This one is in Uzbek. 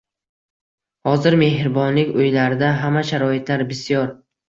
Hozir mehribonlik uylarida hamma sharoitlar bisyor.